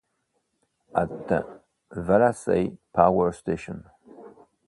At Wallasey power station.